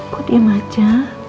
kau diam aja